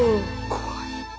怖い。